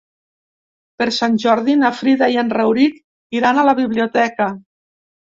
Per Sant Jordi na Frida i en Rauric iran a la biblioteca.